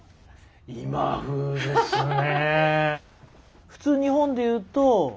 今風ですね。